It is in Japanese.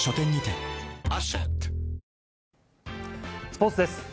スポーツです。